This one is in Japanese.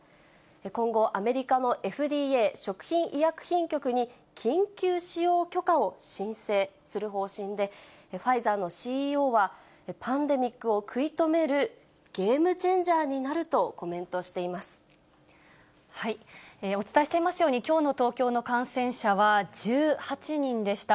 今後、アメリカのＦＤＡ・食品医薬品局に緊急使用許可を申請する方針で、ファイザーのＣＥＯは、パンデミックを食い止めるゲームチェンジャーになるとコメントしお伝えしていますように、きょうの東京の感染者は１８人でした。